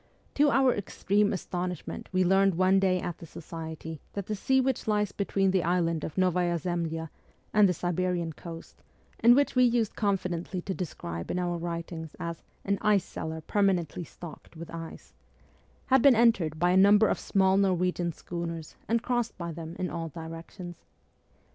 To our extreme astonishment we learned one day at the Society that the sea which lies between the island of N6vaya Zemlya and the Siberian coast, and which we used confidently to describe in our writings as ' an ice cellar permanently stocked with ice,' had been entered by a number of small Norwegian schooners and crossed by them in all directions.